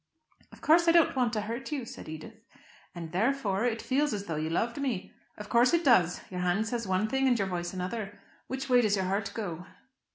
"Of course, I don't want to hurt you," said Edith. "And, therefore, it feels as though you loved me. Of course it does. Your hand says one thing and your voice another. Which way does your heart go?"